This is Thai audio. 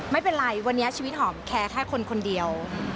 ไม่เป็นไรวันนี้ชีวิตหอมแค่คนคนเดียว